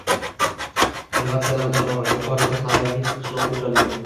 Innovatsiyalar o‘chog‘i. Yuqori texnologik qishloq xo‘jaligi.